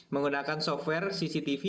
menggunakan software cctv